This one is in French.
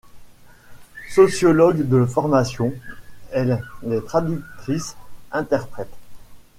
Sociologue de formation, elle est traductrice-interprète.